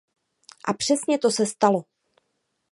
A přesně to se stalo.